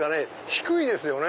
低いですよね。